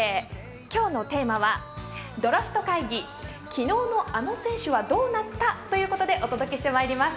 今日のテーマは「ドラフト会議、昨日のあの選手はどうなった！？」ということでお届けしてまいります。